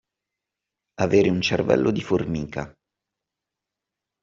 Avere un cervello di formica.